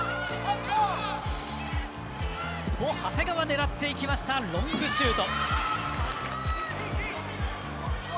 長谷川狙っていきましたロングシュート。